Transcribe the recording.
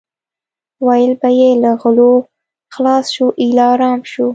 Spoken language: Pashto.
ویل به یې له غلو خلاص شو ایله ارام شو.